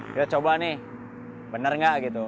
kita coba nih bener nggak gitu